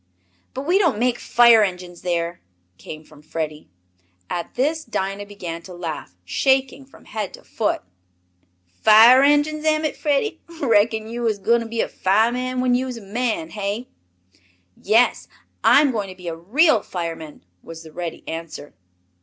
"But we don't make fire engines there," came from Freddie. At this Dinah began to laugh, shaking from head to foot. "Fire enjuns, am it, Freddie? Reckon yo' is gwine to be a fireman when yo' is a man, hey?" "Yes, I'm going to be a real fireman," was the ready answer.